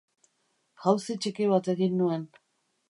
Jauzi txiki bat egin nuen.